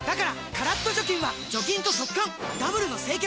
カラッと除菌は除菌と速乾ダブルの清潔！